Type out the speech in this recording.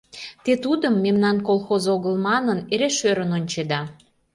Те тудым, мемнан колхоз огыл манын, эре шӧрын ончеда...